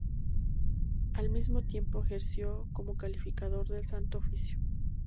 Al mismo tiempo ejerció como Calificador del Santo Oficio.